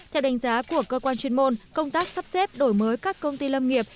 theo đánh giá của cơ quan chuyên môn công tác sắp xếp đổi mới các công ty lâm nghiệp